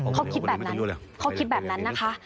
เขาคิดแบบนั้นเขาคิดแบบนั้นนะคะ